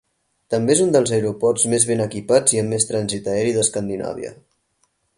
També és un dels aeroports més ben equipats i amb més trànsit aeri d'Escandinàvia.